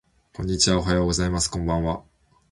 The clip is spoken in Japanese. こんにちはおはようございますこんばんは